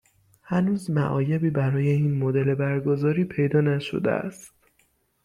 هنوز معایبی برای این مدل برگزاری پیدا نشده است.